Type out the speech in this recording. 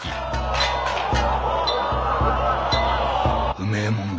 うめえもんだ。